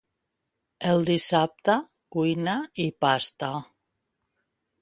El dissabte, cuina i pasta.